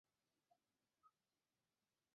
许多应用软件等。